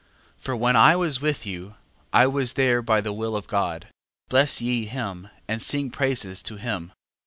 12:18. For when I was with you, I was there by the will of God: bless ye him, and sing praises to him.